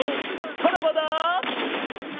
さらばだ！